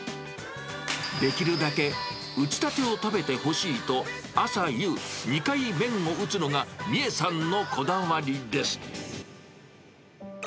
できるだけ打ちたてを食べてほしいと、朝夕、２回麺を打つのが美恵さんのこだわりです。